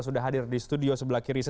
sudah hadir di studio sebelah kiri saya